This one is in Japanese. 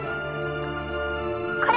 これ